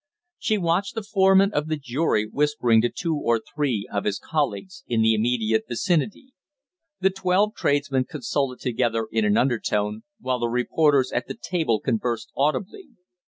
She watched the foreman of the jury whispering to two or three of his colleagues in the immediate vicinity. The twelve tradesmen consulted together in an undertone, while the reporters at the table conversed audibly.